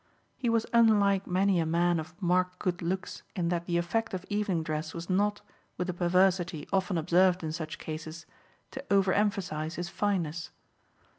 He was unlike many a man of marked good looks in that the effect of evening dress was not, with a perversity often observed in such cases, to over emphasise his fineness.